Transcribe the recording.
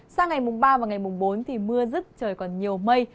sang ngày ba và ngày bốn mưa rứt trời còn nhiều mây